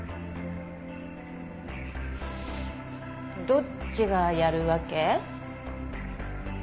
どっちがやるわけ？